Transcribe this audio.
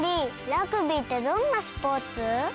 ラグビーってどんなスポーツ？